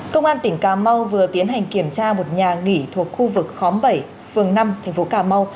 công an tỉnh cà mau vừa tiến hành kiểm tra một nhà nghỉ thuộc khu vực khóm bảy phường năm thành phố cà mau